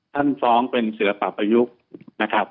ท่านฟ้องเป็นศิลปะประยุกต์